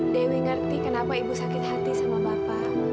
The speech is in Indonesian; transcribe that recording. dewi ngerti kenapa ibu sakit hati sama bapak